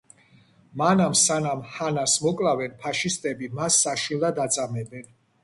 მანამ სანამ ჰანას მოკლავენ ფაშისტები მას საშინლად აწამებენ.